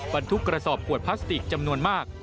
บรรทุกกระสอบขวดพลาสติกจำนวนมาก